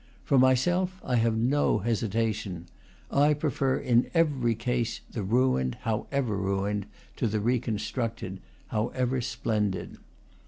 For myself, I have no hesitation; I prefer in every case the ruined, however ruined, to the reconstructed, however splendid.